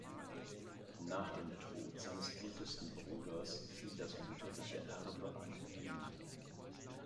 Nach dem Tod seines ältesten Bruders fiel das mütterliche Erbe an ihn.